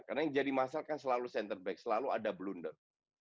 karena yang jadi masalah kan selalu center back selalu ada blunder